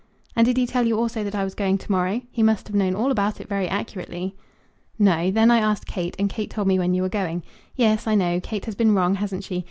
"And did he tell you also that I was going to morrow? He must have known all about it very accurately." "No; then I asked Kate, and Kate told me when you were going. Yes; I know. Kate has been wrong, hasn't she?